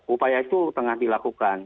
upaya itu tengah dilakukan